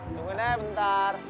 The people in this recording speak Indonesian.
tungguin aja bentar